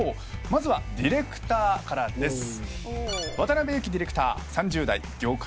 まずはディレクターからです。